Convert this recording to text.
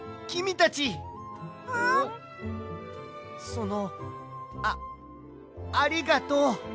そのあありがとう。